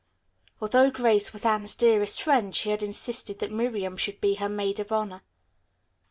Although Grace was Anne's dearest friend, she had insisted that Miriam should be her maid of honor.